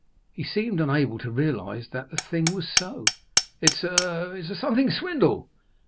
He seemed unable to realize that the thing was so. "It's a something swindle!"